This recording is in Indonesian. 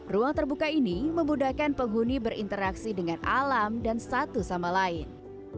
ruang terbuka ini memudahkan penghuni berinteraksi dengan alam dan satu sama lain